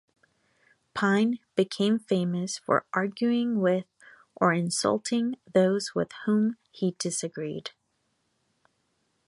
Pyne became famous for arguing with or insulting those with whom he disagreed.